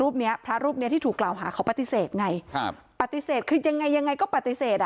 รูปนี้พระรูปนี้ที่ถูกกล่าวหาเขาปฏิเสธไงครับปฏิเสธคือยังไงก็ปฏิเสธ